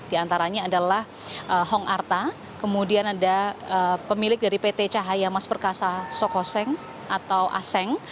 di antaranya adalah hong arta kemudian ada pemilik dari pt cahaya mas perkasa sokoseng atau aseng